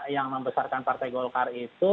yang membesarkan partai golkar itu